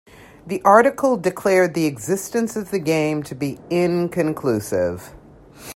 The article declared the existence of the game to be "inconclusive".